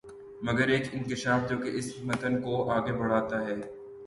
مگر ایک انکشاف جو کہ اس متن کو آگے بڑھاتا ہے